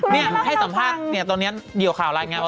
เนี่ยที่สัมพักตอนนี้เห็นข่าวว่านัง